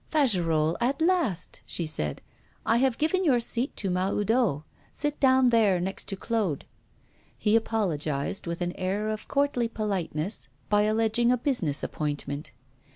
'Fagerolles at last!' she said. 'I have given your seat to Mahoudeau. Sit down there, next to Claude.' He apologised with an air of courtly politeness, by alleging a business appointment.